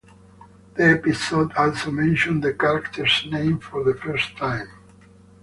The episode also mentions the character's name for the first time.